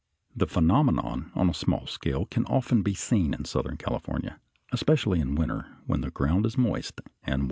The phenomenon on a small scale can often be seen in southern California, especially in winter, when the ground is moist and wet.